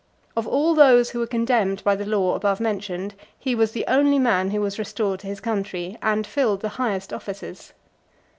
Of all those who were condemned by the law above mentioned, he was the only man who was restored to his country, and filled the highest offices.